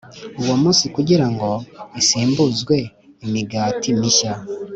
uwo munsi kugira ngo isimbuzwe imigati mishya